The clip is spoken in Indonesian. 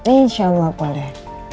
insya allah boleh